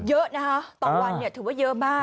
เยอะนะคะต่อวันถือว่าเยอะมาก